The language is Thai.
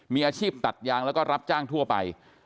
มีอาชีพตัดยางแล้วก็รับจ้างทั่วไป